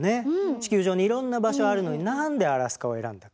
地球上にいろんな場所あるのになんでアラスカを選んだか。